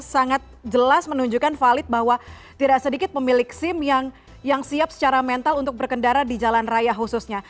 sangat jelas menunjukkan valid bahwa tidak sedikit pemilik sim yang siap secara mental untuk berkendara di jalan raya khususnya